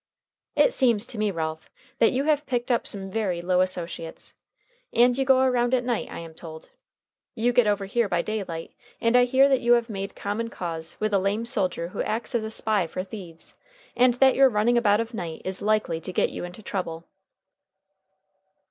"It seems to me, Ralph, that you have picked up some very low associates. And you go around at night, I am told. You get over here by daylight, and I hear that you have made common cause with a lame soldier who acts as a spy for thieves, and that your running about of night is likely to get you into trouble."